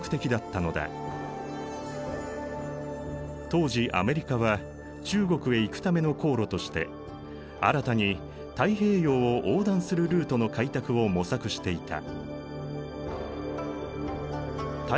当時アメリカは中国へ行くための航路として新たに太平洋を横断するルートの開拓を模索していた。